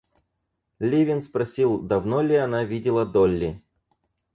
Левин спросил, давно ли она видела Долли.